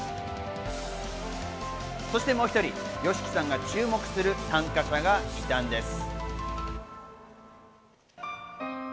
そしてもう一人、ＹＯＳＨＩＫＩさんが注目する参加者がいたんです。